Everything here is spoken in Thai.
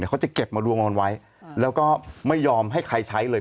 เขาจะเก็บมารวมกันไว้แล้วก็ไม่ยอมให้ใครใช้เลย